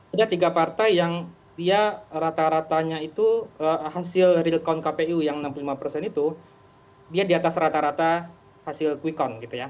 ada tiga partai yang dia rata ratanya itu hasil real count kpu yang enam puluh lima persen itu dia di atas rata rata hasil quick count gitu ya